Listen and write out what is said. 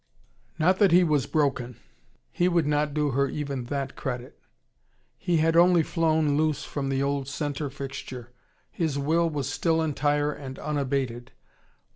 Not that he was broken. He would not do her even that credit. He had only flown loose from the old centre fixture. His will was still entire and unabated.